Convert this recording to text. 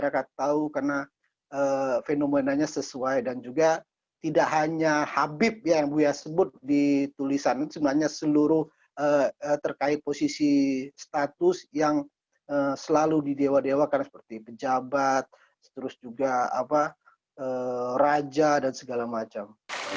karena seperti pejabat terus juga raja dan segala macam